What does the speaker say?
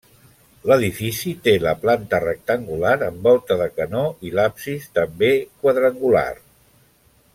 L’edifici té la planta rectangular amb volta de canó i l'absis també quadrangular.